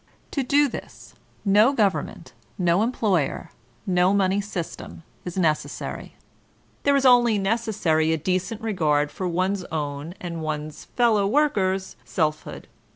To do this no government, no empkqrtr, no money system is necessary. There is only necessary a decent r^ard for one's own and one's fellow worker's self hood.